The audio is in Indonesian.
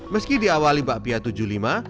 meski diawali bakpia tujuh puluh lima